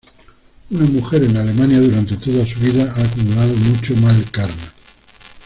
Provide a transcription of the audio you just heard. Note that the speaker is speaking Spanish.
Una mujer en Alemania durante toda su vida ha acumulado mucho mal karma.